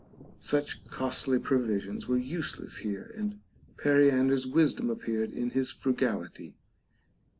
Such costly provisions were useless here, and Peri ander's wisdom appeared iri his frugality.